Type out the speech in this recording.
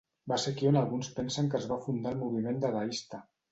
Va ser aquí on alguns pensen que es va fundar el moviment dadaista.